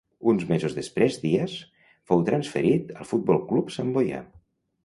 Uns mesos després Díaz fou transferit al Futbol Club Santboià.